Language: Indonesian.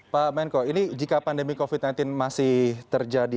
pak menko ini jika pandemi covid sembilan belas masih terjadi